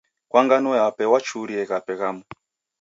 Kwa ngano yape wachurie ghape ghamu.